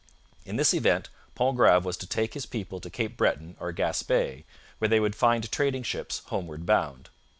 In this event Pontgrave was to take his people to Cape Breton or Gaspe, where they would find trading ships homeward bound.